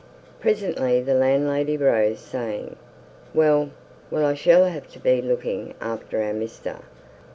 Presently, the landlady rose, saying: "Well, I s'll have to be looking after our mester.